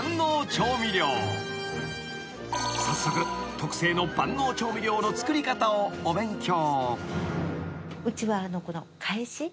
［早速特製の万能調味料の作り方をお勉強］